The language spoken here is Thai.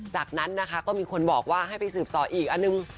จากนั้นนะคะก็มีคนบอกว่าให้ไปสืบต่ออีกอันหนึ่ง